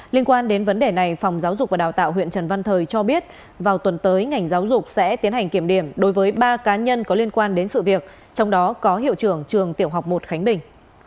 liên quan đến vấn đề này phòng giáo dục và đào tạo huyện trần văn thời cho biết vào tuần tới ngành giáo dục sẽ tiến hành kiểm điểm đối với ba cá nhân có liên quan đến sự việc trong đó có hiệu trưởng trường tiểu học một khánh bình